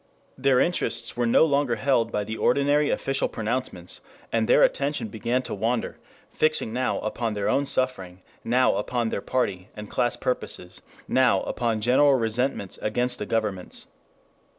Their interests were no longer held by the ordinary official pronouncements, and their attention began to wander, fixing now upon their own suffering, now upon their party and class purposes, now upon general resentments against the governments.